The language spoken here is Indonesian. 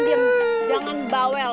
diam jangan bawel